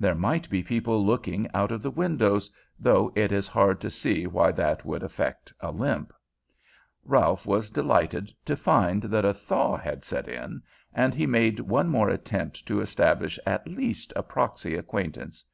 There might be people looking out of the windows, though it is hard to see why that should affect a limp. Ralph was delighted to find that a thaw had set in, and he made one more attempt to establish at least a proxy acquaintance.